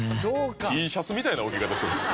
Ｔシャツみたいな置き方してる。